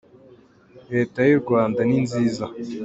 leta yurwanda nizniza